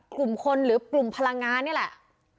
กลุ่มคนหรือกลุ่มพลังงานนี่แหละ